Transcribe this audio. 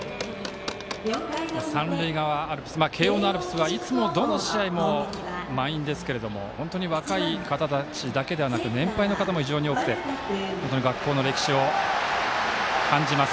三塁側のアルプス慶応のアルプスはいつもどの試合も満員ですが本当に若い方たちだけではなくて年配の方も非常に多くて学校の歴史を感じます。